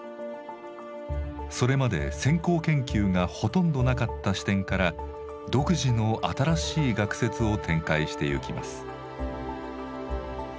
それまで先行研究がほとんどなかった視点から独自の新しい学説を展開してゆきます。